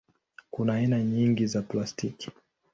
Kuna aina nyingi za plastiki.